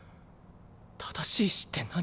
正しい死って何？